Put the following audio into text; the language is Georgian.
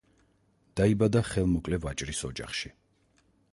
დაიბადა ხელმოკლე ვაჭრის ოჯახში.